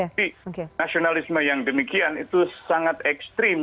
tapi nasionalisme yang demikian itu sangat ekstrim